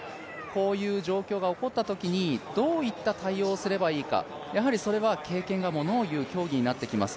こういう状況が起こったときにどういう対応をすればいいかそれは経験がものをいう競技になってきます。